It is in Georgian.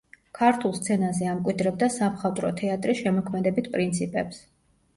ქართულ სცენაზე ამკვიდრებდა სამხატვრო თეატრის შემოქმედებით პრინციპებს.